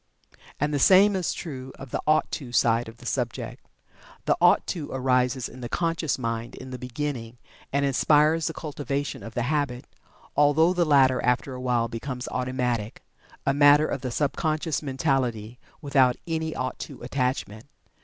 And the same is true of the "ought to" side of the subject. The "ought to" arises in the conscious mind in the beginning, and inspires the cultivation of the habit, although the latter after a while becomes automatic, a matter of the sub conscious mentality, without any "ought to" attachment.